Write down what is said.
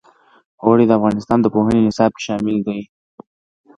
اوړي د افغانستان د پوهنې نصاب کې شامل دي.